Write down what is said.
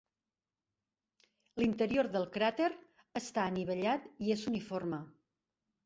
L'interior del cràter està anivellat i és uniforme.